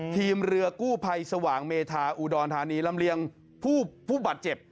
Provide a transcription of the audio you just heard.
ทีมเรือกู้ภัยสว่างเมธาอุดรธานีลำเลียงผู้บาดเจ็บ